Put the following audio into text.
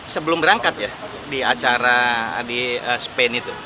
sebelum berangkat ya di acara di spain itu